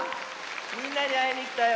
みんなにあいにきたよ。